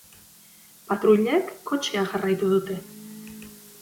Patruilek kotxea jarraitu dute.